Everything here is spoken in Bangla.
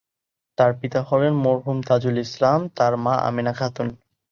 তার পিতা হলেন মরহুম তাজুল ইসলাম; তার মা আমেনা খাতুন।